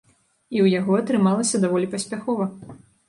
І ў яго атрымалася даволі паспяхова.